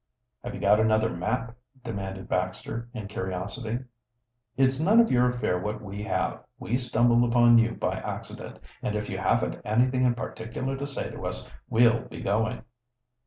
"Have you got another map?" demanded Baxter, in curiosity. "It's none of your affair what we have. We stumbled upon you by accident, and if you haven't anything in particular to say to us we'll be going."